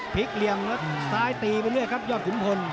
เหลี่ยมแล้วซ้ายตีไปเรื่อยครับยอดขุนพล